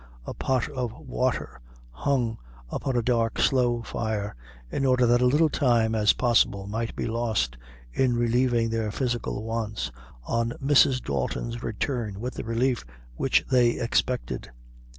A pot of water hung upon a dark slow fire, in order that as little time as possible might be lost in relieving their physical wants, on Mrs. Dalton's return with the relief which they expected.